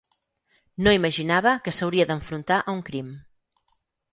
No imaginava que s'hauria d'enfrontar a un crim.